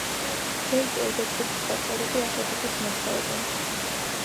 ჯეი კეი და ჯგუფის სხვა წევრები აქეთ-იქით მოძრაობენ.